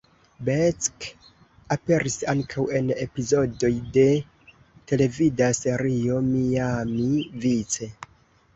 Beck aperis ankaŭ en epizodoj de televida serio "Miami Vice".